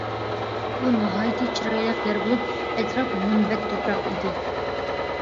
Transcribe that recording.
بۇ ناھايىتى چىرايلىق يەر بولۇپ، ئەتراپ مۇنبەت تۇپراق ئىدى.